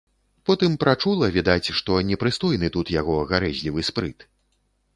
Потым прачула, відаць, што непрыстойны тут яго гарэзлівы спрыт.